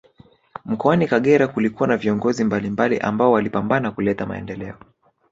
Mkoani kagera kulikuwa na viongozi mbalimbali ambao walipambana kuleta maendeleo